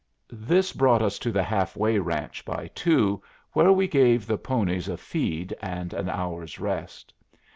This brought us to the half way ranch by two, where we gave the ponies a feed and an hour's rest.